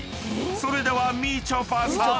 ［それではみちょぱさん